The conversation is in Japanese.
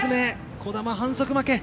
児玉、反則負け。